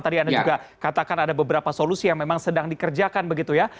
tadi anda juga katakan ada beberapa solusi yang memang sedang dikerjakan begitu ya